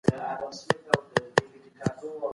ما په دغه سایټ کي د شکر ایسهمېشهو فضیلت ولوستی.